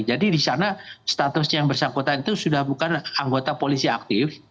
jadi disana statusnya yang bersangkutan itu sudah bukan anggota polisi aktif